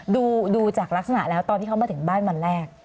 ดูจากลักษณะแล้วตอนที่เขามาถึงบ้านวันแรก